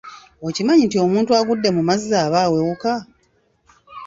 Okimanyi nti omuntu agudde mu mazzi aba awewuka?